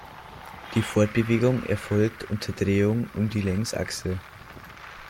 Die Fortbewegung erfolgt unter Drehung um die Längsachse.